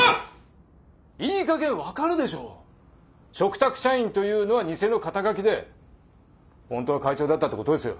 嘱託社員というのは偽の肩書で本当は会長だったってことですよ。